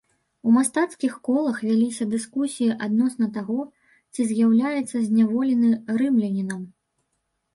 У мастацкіх колах вяліся дыскусіі адносна таго, ці з'яўляецца зняволены рымлянінам.